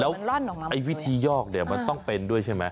แล้วไอ้วิธียอกเนี่ยมันต้องเป็นด้วยใช่ไหม